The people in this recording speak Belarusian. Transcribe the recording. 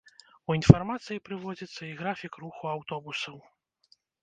У інфармацыі прыводзіцца і графік руху аўтобусаў.